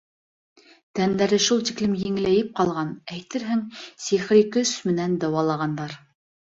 Тәндәре шул тиклем еңеләйеп ҡалған, әйтерһең, сихри көс менән дауалағандар.